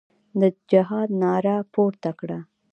د جهاد ناره پورته کړه.